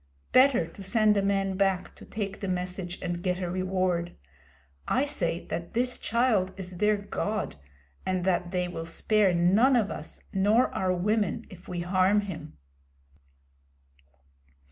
Better to send a man back to take the message and get a reward. I say that this child is their God, and that they will spare none of us, nor our women, if we harm him.'